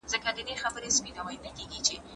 هدف یې د حل لارې موندل دي.